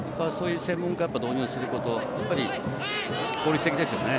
専門家を導入することで効率的ですよね。